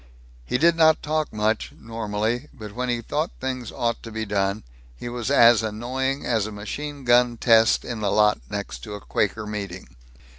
He did not talk much, normally, but when he thought things ought to be done, he was as annoying as a machine gun test in the lot next to a Quaker meeting.